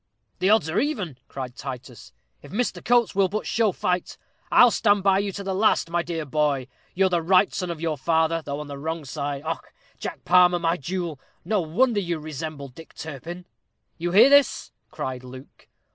"The odds are even," cried Titus, "if Mr. Coates will but show fight. I'll stand by you to the last, my dear boy. You're the right son of your father, though on the wrong side. Och! Jack Palmer, my jewel, no wonder you resemble Dick Turpin." "You hear this?" cried Luke.